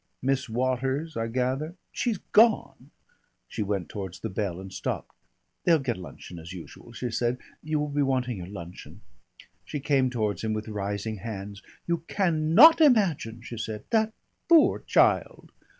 "Miss Waters, I gather " "She's gone." She went towards the bell and stopped. "They'll get luncheon as usual," she said. "You will be wanting your luncheon." She came towards him with rising hands. "You can not imagine," she said. "That poor child!"